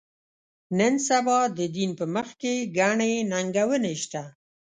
نن سبا د دین په مخ کې ګڼې ننګونې شته.